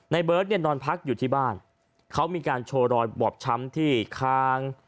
เบิร์ตเนี่ยนอนพักอยู่ที่บ้านเขามีการโชว์รอยบอบช้ำที่คาง